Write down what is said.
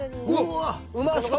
うまそう！